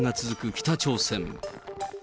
北朝鮮。